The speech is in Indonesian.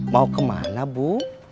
mau kemana bu